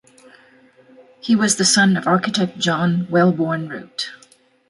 He was the son of architect John Wellborn Root.